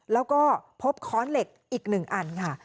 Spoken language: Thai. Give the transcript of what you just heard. แล้วก็พบค้อนเหล็กอีก๑อันค่ะ